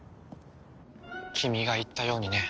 君が言ったようにね。